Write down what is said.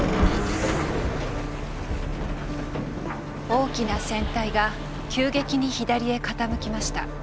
大きな船体が急激に左へ傾きました。